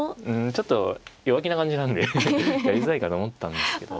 ちょっと弱気な感じなんでやりづらいかと思ったんですけど。